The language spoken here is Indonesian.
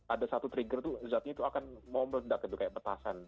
ada satu trigger itu zatnya itu akan mau meledak gitu kayak petasan